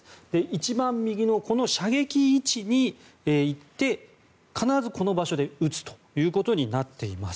一番右のこの射撃位置に行って必ずこの場所で撃つということになっています。